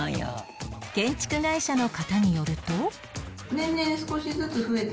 建築会社の方によると